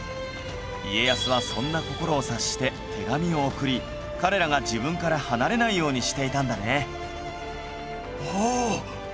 家康はそんな心を察して手紙を送り彼らが自分から離れないようにしていたんだね